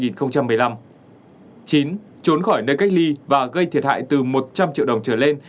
chín trốn khỏi nơi cách ly và gây thiệt hại từ một trăm linh triệu đồng trở lên